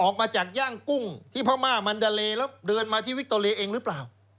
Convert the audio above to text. คุณพูดจากบ้างไหมหนะคือกลุ่มเชียร์แขก